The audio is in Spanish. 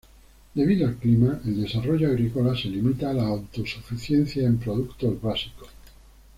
Debido al clima, el desarrollo agrícola se limita a la autosuficiencia en productos básicos.